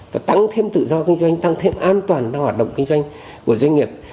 và tăng thêm tự do kinh doanh tăng thêm an toàn cho hoạt động kinh doanh của doanh nghiệp